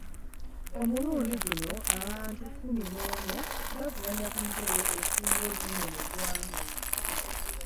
Omulundi guno abantu kkumi n'omu bavuganya ku ntebe esinga obunene mu ggwanga.